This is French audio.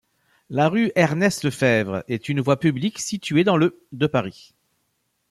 La rue Ernest-Lefèvre est une voie publique située dans le de Paris.